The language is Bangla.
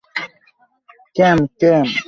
ক্যাম, ক্যাম।